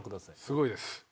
すごいです。